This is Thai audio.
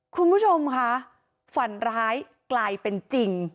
คุณผู้ชมคะฝันร้ายกลายเป็นจริง